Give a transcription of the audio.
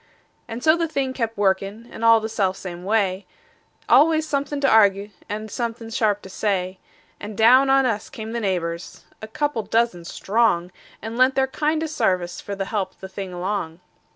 And so the thing kept workin', and all the self same way; Always somethin' to arg'e, and somethin' sharp to say; And down on us came the neighbors, a couple dozen strong, And lent their kindest sarvice for to help the thing along.